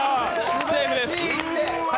セーフです。